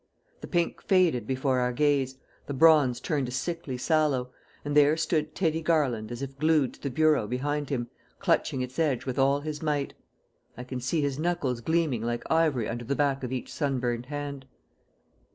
The pink faded before our gaze, the bronze turned a sickly sallow; and there stood Teddy Garland as if glued to the bureau behind him, clutching its edge with all his might. I can see his knuckles gleaming like ivory under the back of each sunburnt hand.